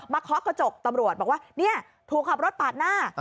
เคาะกระจกตำรวจบอกว่าเนี่ยถูกขับรถปาดหน้า